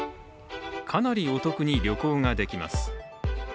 かなりお得に旅行ができます。